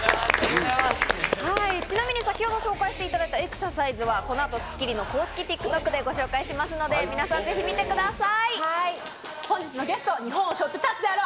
ちなみに先ほど紹介していただいたエクササイズは『スッキリ』の公式ＴｉｋＴｏｋでこの後、公開しますのでぜひご覧ください。